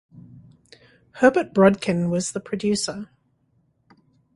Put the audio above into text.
Herbert Brodkin was the producer.